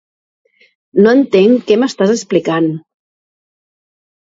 No entenc què m'estàs explicant.